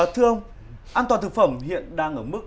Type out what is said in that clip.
thưa ông an toàn thực phẩm hiện đang ở mức